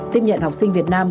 tiếp nhận học sinh việt nam